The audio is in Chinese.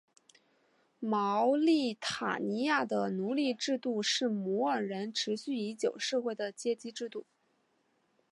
茅利塔尼亚的奴隶制度是摩尔人持续已久社会的阶级制度。